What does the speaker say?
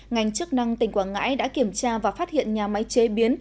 ngành chức năng tỉnh quảng ngãi đã kiểm tra và phát hiện nhà máy chế biến